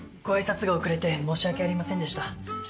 ごあいさつが遅れて申し訳ありませんでした。